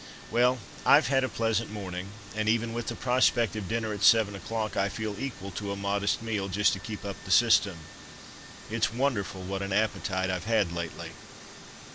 Well, I've had a pleasant morning, and even with the prospect of dinner at seven o'clock, I feel equal to a modest meal, just to keep up the system. It's wonderful what an appetite I've had lately."